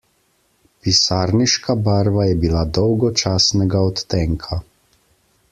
Pisarniška barva je bila dolgočasnega odtenka.